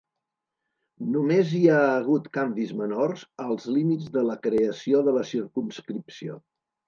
Només hi ha hagut canvis menors als límits des de la creació de la circumscripció.